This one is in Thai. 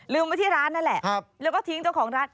ไว้ที่ร้านนั่นแหละแล้วก็ทิ้งเจ้าของร้าน